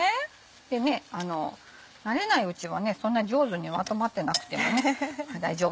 でね慣れないうちはそんな上手にまとまってなくても大丈夫です。